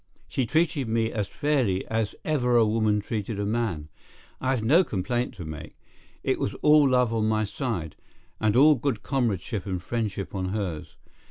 She treated me as fairly as ever a woman treated a man. I have no complaint to make. It was all love on my side, and all good comradeship and friendship on hers.